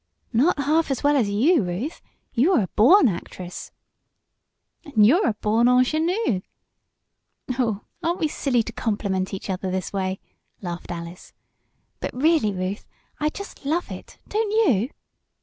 "Not half as well as you, Ruth. You are a born actress!" "And you're a born ingenue!" "Oh, aren't we silly to compliment each other this way!" laughed Alice. "But, really, Ruth, I just love it; don't you?"